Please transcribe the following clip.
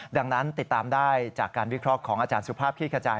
ดังนั้นติดตามได้จากการวิเคราะห์ของอาจารย์สุภาพคลี่ขจาย